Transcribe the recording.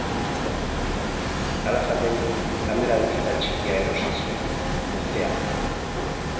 Calafaten kamera digital txikia erosi zuen, merkea.